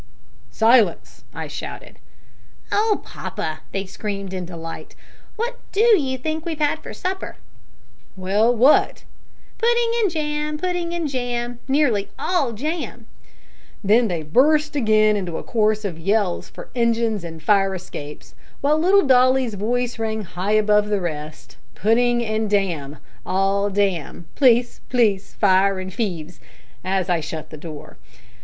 "`Silence!' I shouted. "`Oh, papa!' they screamed, in delight, `what do you think we've had for supper?' "`Well, what?' "`Pudding and jam pudding and jam nearly all jam!' "Then they burst again into a chorus of yells for engines and fire escapes, while little Dolly's voice rang high above the rest `Pudding and dam! all dam! p'leece! p'leece! fire and feeves!' as I shut the door.